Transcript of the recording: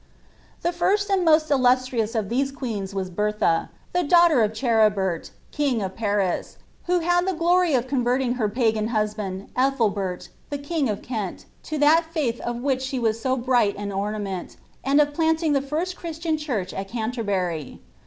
The first and most illustrious of these queens was Bertha, the daughter of Cherebert, king of Paris, who had the glory of converting her pagan husband, Ethelbert, the king of Kent, to'that faith of which she was so bright an ornament, and of planting the first Christian church at Canterbury.